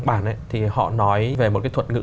bản thì họ nói về một cái thuật ngữ